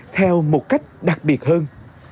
theo một cách đặc biệt hơn